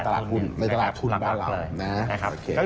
ในตลาดทุนบรรเหล่านะครับ